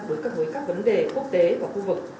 đối với các vấn đề quốc tế và khu vực